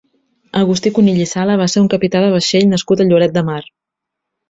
Agustí Conill i Sala va ser un capità de vaixell nascut a Lloret de Mar.